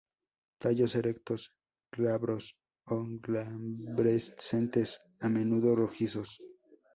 Tallos erectos glabros o glabrescentes, a menudo rojizos.